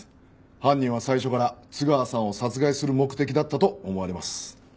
犯人は最初から津川さんを殺害する目的だったと思われます。